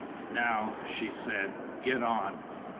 "Now," she said, "get on.